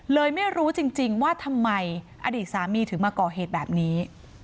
ไม่รู้จริงว่าทำไมอดีตสามีถึงมาก่อเหตุแบบนี้